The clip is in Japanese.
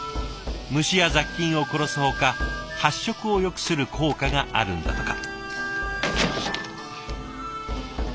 虫や雑菌を殺すほか発色をよくする効果があるんだとか。